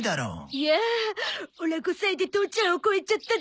いやオラ５歳で父ちゃんを超えちゃったゾ。